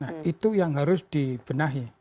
nah itu yang harus dibenahi